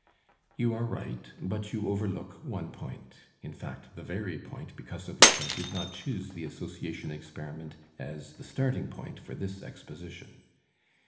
You are right, but you overlook one point, in fact, the very point because of which I did not choose the association experiment as the starting point for this exposition.